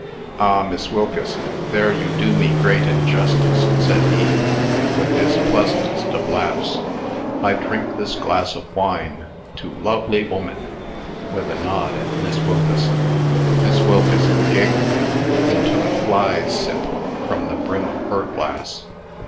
"Ah, Miss Wilkeson, there you do me great injustice," said he, with his pleasantest of laughs. "I drink this glass of wine to 'lovely woman,'" with a nod at Miss Wilkeson. Miss Wilkeson giggled, and took a fly's sip from the brim of her glass.